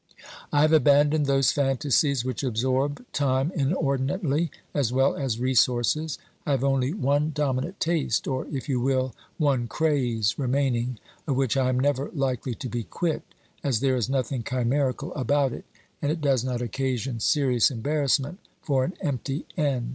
I have abandoned those fantasies which absorb time inordinately as well as resources. I have only one dominant taste, or, if you will, one craze remaining, of which I am never likely to be quit, as there is nothing chimerical about it, and it does not occasion serious embarrassment for an empty end.